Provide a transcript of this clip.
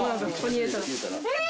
え！